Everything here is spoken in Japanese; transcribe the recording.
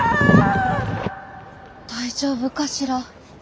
大丈夫かしら？